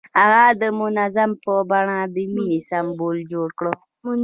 هغه د منظر په بڼه د مینې سمبول جوړ کړ.